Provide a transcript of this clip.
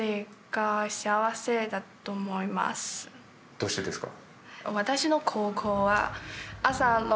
どうしてですか？